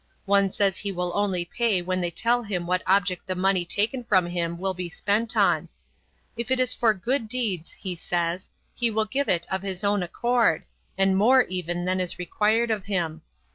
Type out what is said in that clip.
One says he will only pay when they tell him what object the money taken from him will be spent on. "If it is for good deeds," he says, "he will give it of his own accord, and more even than is required of him.